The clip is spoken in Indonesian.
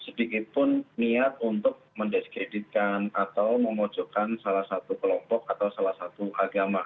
sedikitpun niat untuk mendiskreditkan atau memojokkan salah satu kelompok atau salah satu agama